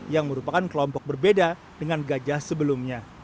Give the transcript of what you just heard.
yang merupakan kelompok berbeda dengan gajah sebelumnya